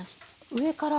上から？